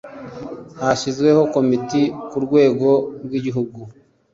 Hashyizweho Komite ku rwego rw igihugu